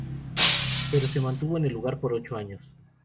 Pero se mantuvo en el lugar por ocho años.